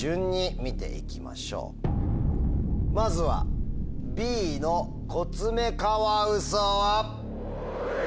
まずはＢのコツメカワウソは？